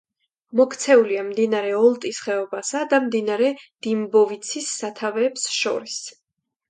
მოქცეულია მდინარე ოლტის ხეობასა და მდინარე დიმბოვიცის სათავეებს შორის.